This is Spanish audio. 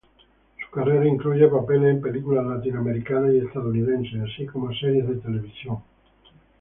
Su carrera incluye papeles en películas latinoamericanas y estadounidenses así como series de televisión.